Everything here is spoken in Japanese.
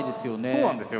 そうなんですよ。